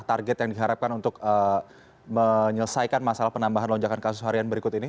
target yang diharapkan untuk menyelesaikan masalah penambahan lonjakan kasus harian berikut ini